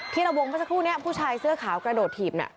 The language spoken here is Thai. ระวงเมื่อสักครู่นี้ผู้ชายเสื้อขาวกระโดดถีบเนี่ย